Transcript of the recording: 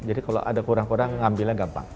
jadi kalau ada kurang kurang ngambilnya gampang